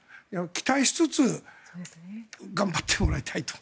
期待しつつ頑張ってもらいたいと。